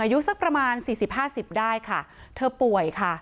อายุสักประมาณ๔๐๕๐ได้ค่ะเธอป่วยค่ะ